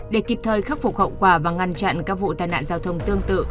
để kịp thời khắc phục hậu quả và ngăn chặn các vụ tai nạn giao thông tương tự